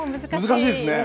難しいですね。